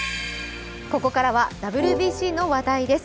ここからはＷＢＣの話題です。